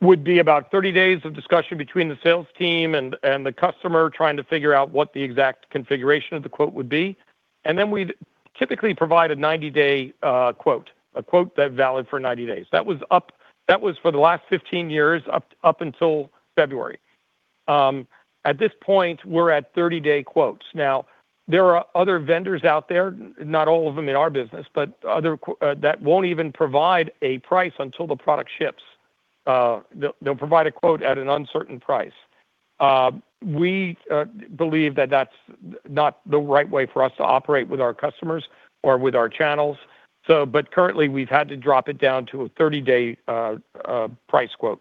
C: would be about 30 days of discussion between the sales team and the customer trying to figure out what the exact configuration of the quote would be. We'd typically provide a 90-day quote, a quote that valid for 90 days. That was for the last 15 years up until February. At this point, we're at 30-day quotes. There are other vendors out there, not all of them in our business, but that won't even provide a price until the product ships. They'll provide a quote at an uncertain price. We believe that that's not the right way for us to operate with our customers or with our channels. Currently, we've had to drop it down to a 30-day price quote.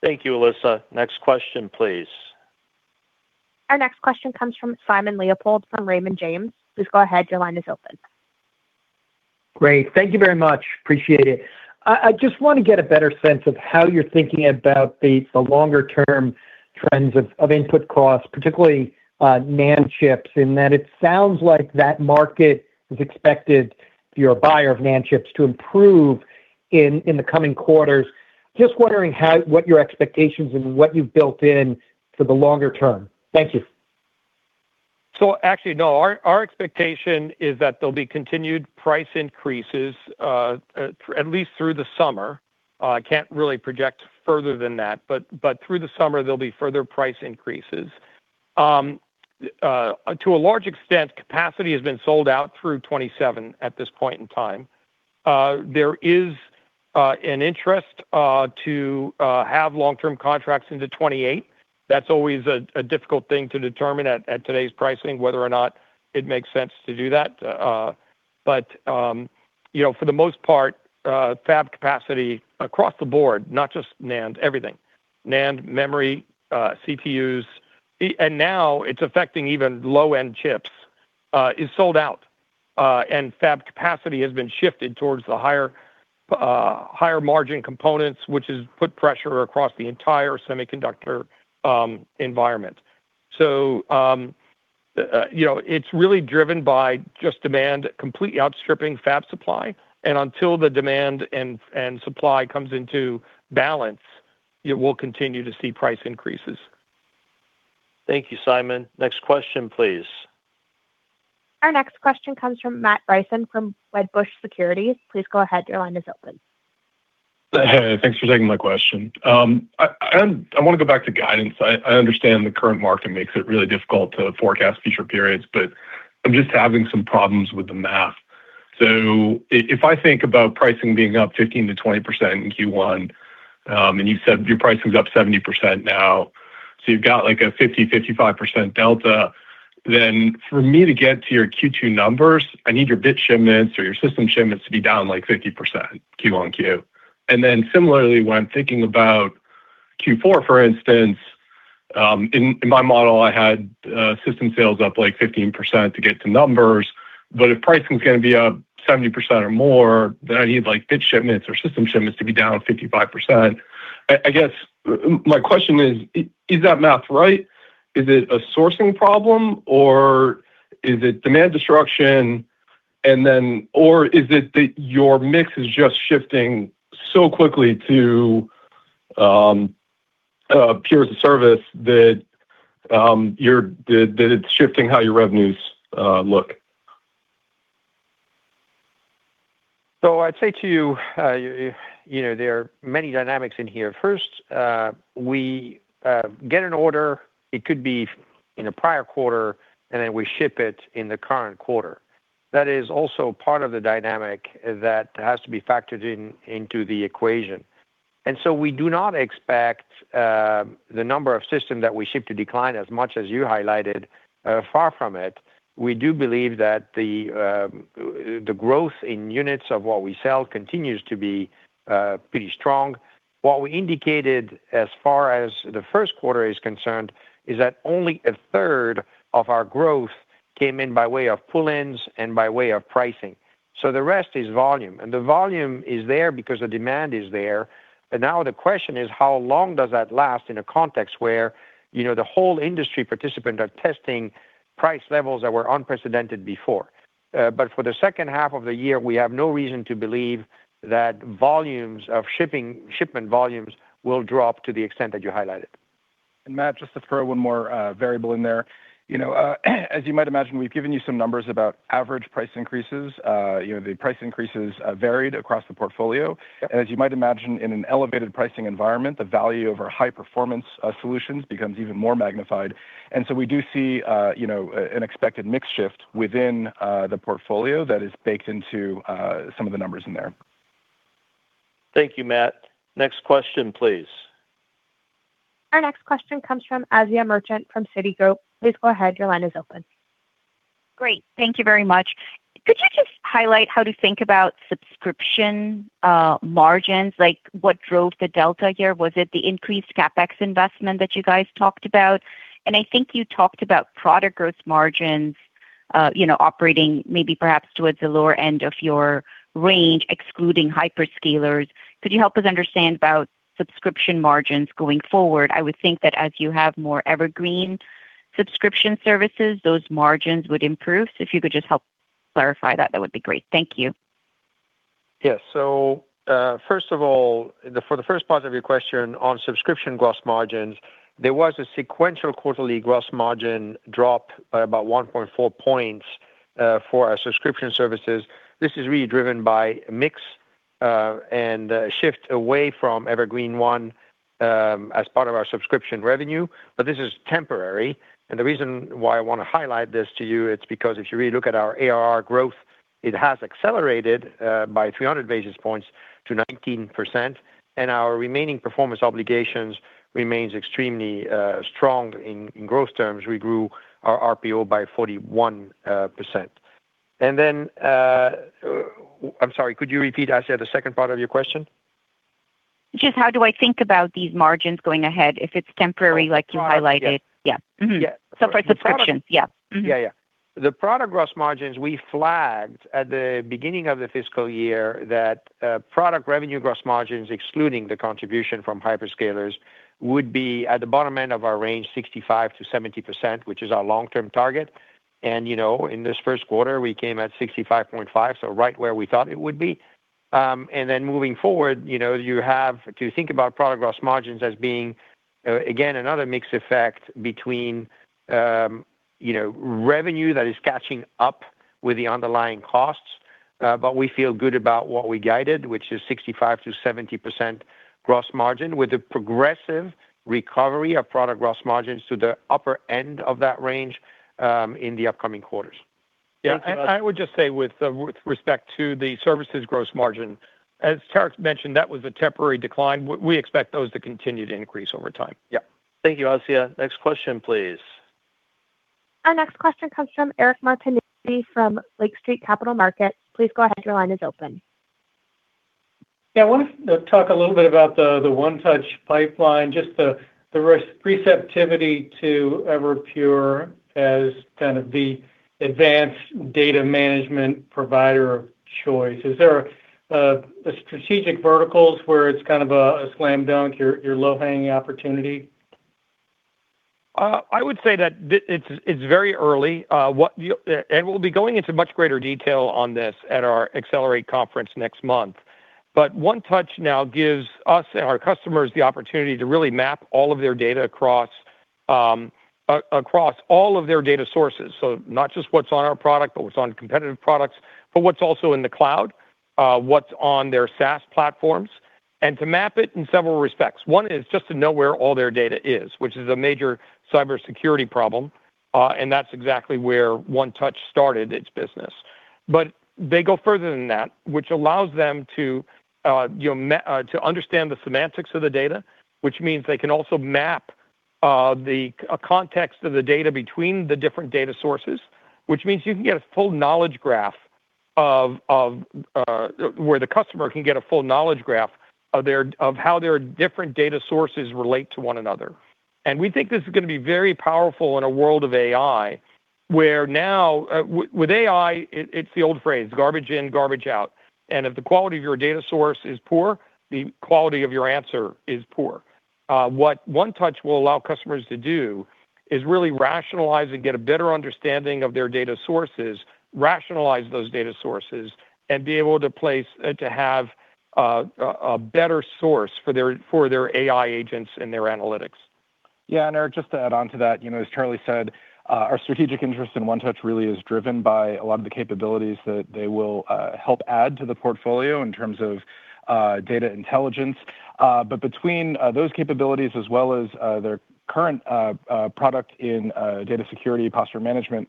B: Thank you, Alyssa. Next question, please.
A: Our next question comes from Simon Leopold from Raymond James. Please go ahead, your line is open.
R: Great. Thank you very much. Appreciate it. I just want to get a better sense of how you're thinking about the longer-term trends of input costs, particularly NAND chips, in that it sounds like that market is expected, if you're a buyer of NAND chips, to improve in the coming quarters. Just wondering what your expectations and what you've built in for the longer term. Thank you.
C: Actually, no. Our expectation is that there'll be continued price increases, at least through the summer. I can't really project further than that, but through the summer, there'll be further price increases. To a large extent, capacity has been sold out through 2027 at this point in time. There is an interest to have long-term contracts into 2028. That's always a difficult thing to determine at today's pricing, whether or not it makes sense to do that. For the most part, fab capacity across the board, not just NAND, everything, NAND, memory, CPUs, and now it's affecting even low-end chips, is sold out. Fab capacity has been shifted towards the higher margin components, which has put pressure across the entire semiconductor environment. It's really driven by just demand completely outstripping fab supply. Until the demand and supply comes into balance, we'll continue to see price increases.
B: Thank you, Simon. Next question, please.
A: Our next question comes from Matt Bryson from Wedbush Securities. Please go ahead. Your line is open.
S: Hey, thanks for taking my question. I want to go back to guidance. I understand the current market makes it really difficult to forecast future periods, but I'm just having some problems with the math. If I think about pricing being up 15%-20% in Q1, and you said your pricing's up 70% now, you've got a 50%-55% delta, then for me to get to your Q2 numbers, I need your bit shipments or your system shipments to be down 50% Q1 to Q2. Similarly, when I'm thinking about Q4, for instance, in my model, I had system sales up 15% to get to numbers. If pricing's going to be up 70% or more, then I need bit shipments or system shipments to be down 55%. I guess my question is that math right? Is it a sourcing problem, or is it demand destruction? Is it that your mix is just shifting so quickly to Pure as-a-Service that it's shifting how your revenues look?
D: I'd say to you, there are many dynamics in here. First, we get an order, it could be in a prior quarter, then we ship it in the current quarter. That is also part of the dynamic that has to be factored into the equation. We do not expect the number of systems that we ship to decline as much as you highlighted, far from it. We do believe that the growth in units of what we sell continues to be pretty strong. What we indicated as far as the first quarter is concerned is that only a third of our growth came in by way of pull-ins and by way of pricing. The rest is volume. The volume is there because the demand is there. Now the question is how long does that last in a context where the whole industry participants are testing price levels that were unprecedented before? For the second half of the year, we have no reason to believe that shipment volumes will drop to the extent that you highlighted.
G: Matt, just to throw one more variable in there. As you might imagine, we've given you some numbers about average price increases. The price increases varied across the portfolio. As you might imagine, in an elevated pricing environment, the value of our high-performance solutions becomes even more magnified. We do see an expected mix shift within the portfolio that is baked into some of the numbers in there.
B: Thank you, Matt. Next question, please.
A: Our next question comes from Asiya Merchant from Citigroup. Please go ahead. Your line is open.
T: Great. Thank you very much. Could you just highlight how to think about subscription margins? What drove the delta here? Was it the increased CapEx investment that you guys talked about? I think you talked about product growth margins operating maybe perhaps towards the lower end of your range, excluding hyperscalers. Could you help us understand about subscription margins going forward? I would think that as you have more evergreen subscription services, those margins would improve. If you could just help clarify that would be great. Thank you.
D: Yeah. First of all, for the first part of your question on subscription gross margins, there was a sequential quarterly gross margin drop by about 1.4 points for our subscription services. This is really driven by a mix and a shift away from Evergreen//One as part of our subscription revenue. This is temporary, and the reason why I want to highlight this to you, it's because if you really look at our ARR growth, it has accelerated by 300 basis points to 19%, and our remaining performance obligations remains extremely strong in growth terms. We grew our RPO by 41%. I'm sorry, could you repeat, Asiya, the second part of your question?
T: Just how do I think about these margins going ahead if it's temporary like you highlighted?
D: Oh, right. Yeah.
T: Yeah. Mm-hmm.
D: Yeah.
T: for subscriptions. Yeah.
D: The product gross margins we flagged at the beginning of the fiscal year that product revenue gross margins, excluding the contribution from hyperscalers, would be at the bottom end of our range, 65%-70%, which is our long-term target. In this first quarter, we came at 65.5%, right where we thought it would be. Moving forward, you have to think about product gross margins as being, again, another mix effect between revenue that is catching up with the underlying costs. We feel good about what we guided, which is 65%-70% gross margin with a progressive recovery of product gross margins to the upper end of that range in the upcoming quarters.
G: I would just say with respect to the services gross margin, as Tarek mentioned, that was a temporary decline. We expect those to continue to increase over time.
D: Yeah.
B: Thank you, Asiya. Next question, please.
A: Our next question comes from Eric Martinuzzi from Lake Street Capital Markets. Please go ahead. Your line is open.
U: Yeah, I wanted to talk a little bit about the 1touch pipeline, just the receptivity to Everpure as kind of the advanced data management provider of choice. Is there the strategic verticals where it's kind of a slam dunk, your low-hanging opportunity?
C: I would say that it's very early. We'll be going into much greater detail on this at our Accelerate conference next month. 1touch now gives us and our customers the opportunity to really map all of their data across all of their data sources. Not just what's on our product, but what's on competitive products, but what's also in the cloud, what's on their SaaS platforms, and to map it in several respects. One is just to know where all their data is, which is a major cybersecurity problem, and that's exactly where 1touch started its business. They go further than that, which allows them to understand the semantics of the data, which means they can also map the context of the data between the different data sources, which means you can get a full knowledge graph of how their different data sources relate to one another. We think this is going to be very powerful in a world of AI, where now with AI, it's the old phrase, garbage in, garbage out. If the quality of your data source is poor, the quality of your answer is poor. What 1touch will allow customers to do is really rationalize and get a better understanding of their data sources, rationalize those data sources, and be able to have a better source for their AI agents and their analytics.
G: Eric, just to add on to that, as Charlie said, our strategic interest in 1touch really is driven by a lot of the capabilities that they will help add to the portfolio in terms of data intelligence. Between those capabilities as well as their current product in data security posture management,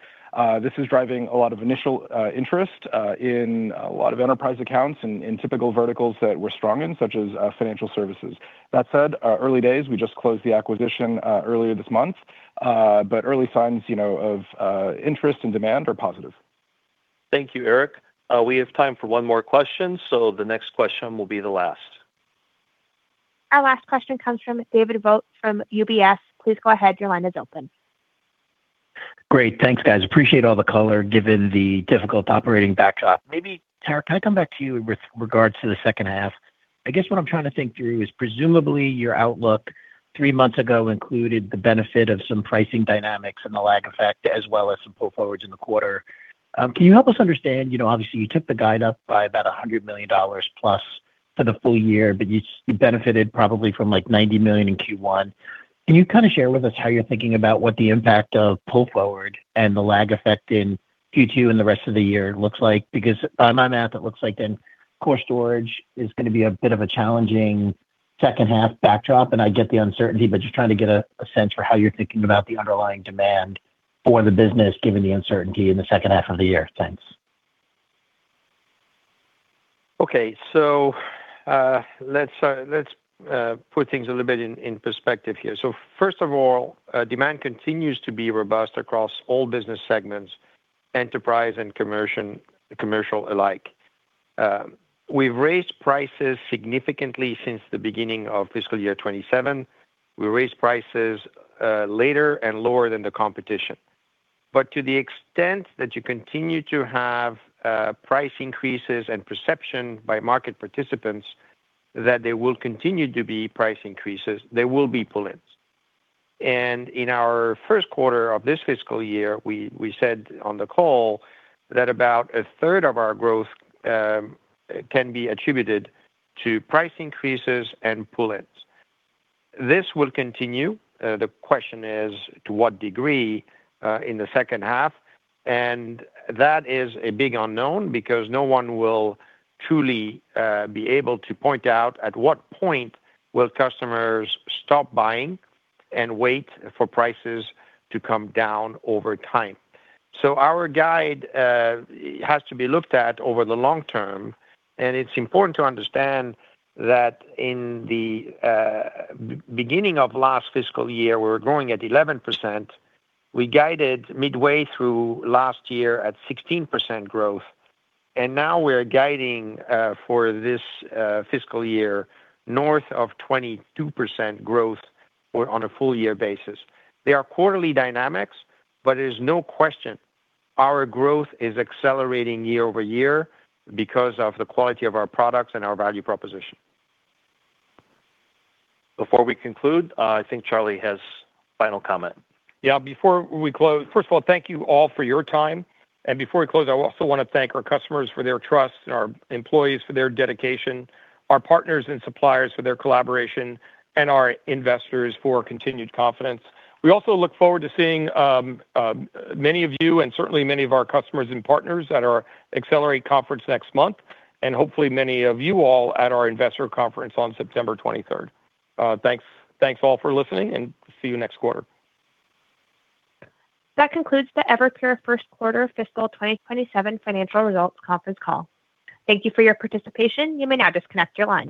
G: this is driving a lot of initial interest in a lot of enterprise accounts in typical verticals that we're strong in, such as financial services. That said, early days, we just closed the acquisition earlier this month. Early signs of interest and demand are positive.
B: Thank you, Eric. We have time for one more question, so the next question will be the last.
A: Our last question comes from David Vogt from UBS. Please go ahead, your line is open.
V: Great. Thanks, guys. Appreciate all the color, given the difficult operating backdrop. Maybe, Tarek, can I come back to you with regards to the second half? I guess what I'm trying to think through is presumably your outlook three months ago included the benefit of some pricing dynamics and the lag effect, as well as some pull forwards in the quarter. Can you help us understand, obviously you took the guide up by about $100 million+ for the full year, but you benefited probably from $90 million in Q1. Can you share with us how you're thinking about what the impact of pull forward and the lag effect in Q2 and the rest of the year looks like? By my math, it looks like then core storage is going to be a bit of a challenging second half backdrop. I get the uncertainty. Just trying to get a sense for how you're thinking about the underlying demand for the business, given the uncertainty in the second half of the year. Thanks.
D: Let's put things a little bit in perspective here. First of all, demand continues to be robust across all business segments, enterprise and commercial alike. We've raised prices significantly since the beginning of fiscal year 2027. We raised prices later and lower than the competition. To the extent that you continue to have price increases and perception by market participants that there will continue to be price increases, there will be pull-ins. In our first quarter of this fiscal year, we said on the call that about a third of our growth can be attributed to price increases and pull-ins. This will continue. The question is to what degree in the second half, and that is a big unknown because no one will truly be able to point out at what point will customers stop buying and wait for prices to come down over time. Our guide has to be looked at over the long term, and it's important to understand that in the beginning of last fiscal year, we were growing at 11%. We guided midway through last year at 16% growth, and now we're guiding for this fiscal year north of 22% growth on a full year basis. They are quarterly dynamics, but there's no question our growth is accelerating year-over-year because of the quality of our products and our value proposition.
B: Before we conclude, I think Charlie has final comment.
C: Before we close, first of all, thank you all for your time. Before we close, I also want to thank our customers for their trust and our employees for their dedication, our partners and suppliers for their collaboration, and our investors for continued confidence. We also look forward to seeing many of you and certainly many of our customers and partners at our Accelerate Conference next month. Hopefully many of you all at our investor conference on September 23rd. Thanks all for listening. See you next quarter.
A: That concludes the Everpure first quarter fiscal 2027 financial results conference call. Thank you for your participation. You may now disconnect your line.